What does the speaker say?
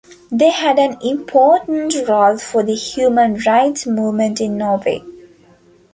They had an important role for the human rights movement in Norway.